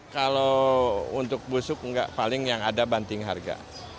kalau untuk busuk enggak paling yang ada banting harga